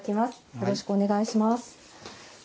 よろしくお願いします。